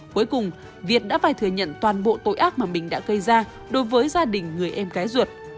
cuối cùng việt đã phải thừa nhận toàn bộ tội ác mà mình đã gây ra đối với gia đình người em gái ruột